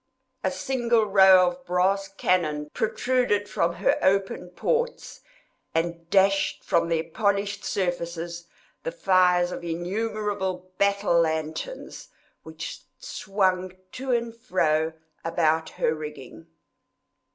A single row of brass cannon protruded from her open ports, and dashed from their polished surfaces the fires of innumerable battle lanterns, which swung to and fro about her rigging.